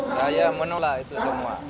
saya menolak itu semua